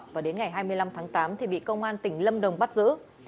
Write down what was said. và đến ngày hai mươi năm tháng tám thì bị công an tỉnh lâm đồng bắt giữ